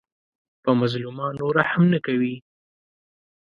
په مظلومانو رحم نه کوي